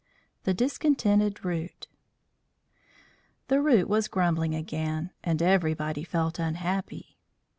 THE DISCONTENTED ROOT The Root was grumbling again, and everybody felt unhappy.